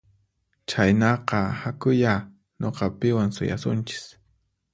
Chaynaqa hakuyá nuqapiwan suyasunchis